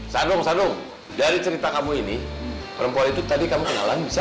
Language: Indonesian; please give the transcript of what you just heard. sandung sandung dari cerita kamu ini perempuan itu tadi kamu kenalan bisa